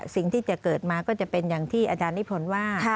สิ่งที่จะเกิดมาก็จะเป็นอย่างที่อาจารย์นิพนธ์ว่า